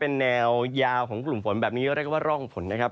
เป็นแนวยาวของกลุ่มฝนแบบนี้เรียกว่าร่องฝนนะครับ